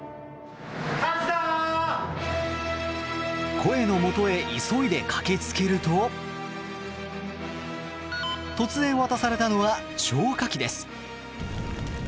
声のもとへ急いで駆けつけると突然渡されたのは消火器です。